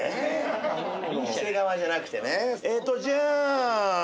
お店側じゃなくてね。